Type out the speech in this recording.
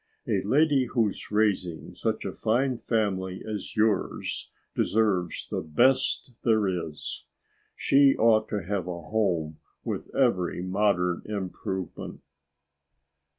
A lady who's raising such a fine family as yours deserves the best there is. She ought to have a home with every modern improvement."